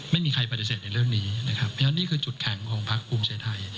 ไม่มีใครปฏิเสธในเรื่องนี้นะครับนี่คือจุดแข็งของพรรคภูมิชัยไทย